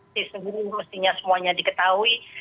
tisung ini mestinya semuanya diketahui